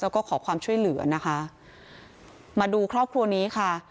แล้วก็ขอความช่วยเหลือนะคะมาดูครอบครัวนี้ค่ะ